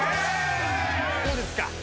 どうですか？